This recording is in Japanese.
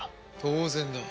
当然だ。